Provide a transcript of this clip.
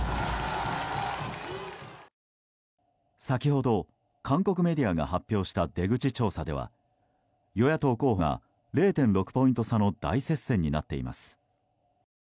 先ほど、韓国メディアが発表した出口調査では与野党候補が０．６ポイント差の大接戦になっています。